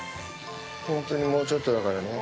本当にもうちょっとだからね。